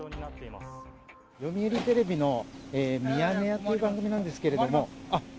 読売テレビのミヤネ屋という番組なんですけれども。